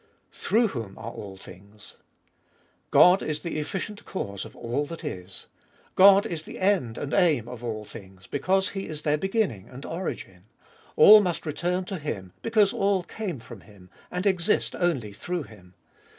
Through whom are all things. God is the efficient cause of all that is. God is the end and aim of all things, because He is their beginning and origin. All must return to Him because all came from Him and exist only through him.